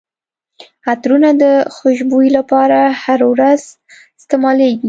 عطرونه د خوشبويي لپاره هره ورځ استعمالیږي.